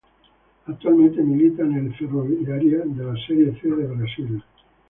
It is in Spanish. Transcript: Actualmente milita en el Ferroviária de la Serie C de Brasil.